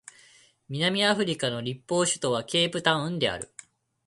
南アフリカの立法首都はケープタウンである